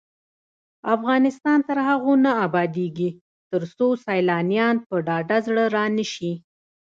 افغانستان تر هغو نه ابادیږي، ترڅو سیلانیان په ډاډه زړه را نشي.